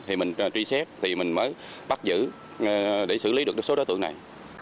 thì mình truy xét thì mình mới bắt giữ để xử lý được số đối tượng này